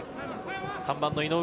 ３番の井上。